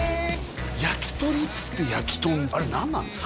「やきとり」っつってやきとんあれ何なんですか？